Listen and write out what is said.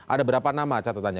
ada berapa nama catatannya